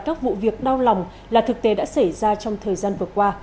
các vụ việc đau lòng là thực tế đã xảy ra trong thời gian vừa qua